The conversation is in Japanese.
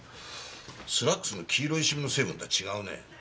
スラックスの黄色いシミの成分とは違うね。